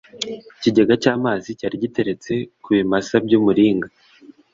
ikigega cy’amazi cyari giteretse ku bimasa by’umuringa